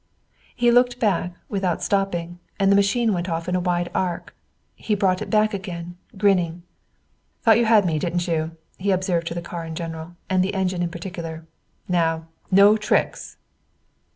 He looked back, without stopping, and the machine went off in a wide arc. He brought it back again, grinning. "Thought you had me, didn't you?" he observed to the car in general, and the engine in particular. "Now no tricks!"